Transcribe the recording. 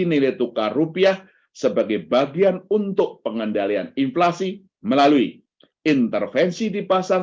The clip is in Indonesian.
nilai tukar rupiah sebagai bagian untuk pengendalian inflasi melalui intervensi di pasar